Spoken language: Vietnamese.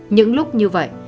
những lúc như vậy